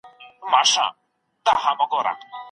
ایا د باختر امپراتورۍ په اړه مو څه اوريدلي دي؟